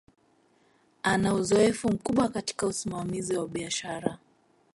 Ana uzoefu mkubwa katika usimamizi wa biashara